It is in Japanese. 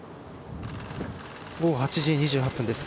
午後８時２８分です。